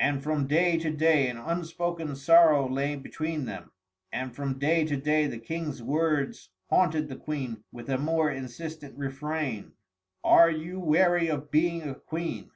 And from day to day an unspoken sorrow lay between them; and from day to day the King's words haunted the Queen with a more insistent refrain: "Are you weary of being a Queen?"